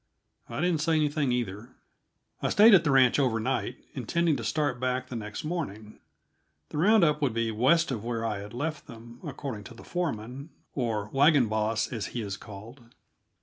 I didn't say anything, either. I stayed at the ranch overnight, intending to start back the next morning. The round up would be west of where I had left them, according to the foreman or wagon boss, as he is called.